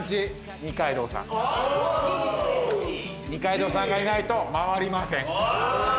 二階堂さんがいないと回りません。